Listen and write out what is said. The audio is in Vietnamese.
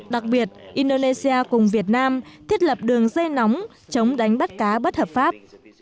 đặc biệt indonesia cùng việt nam thiết lập đường dây nóng chống đánh bắt cá bất hợp pháp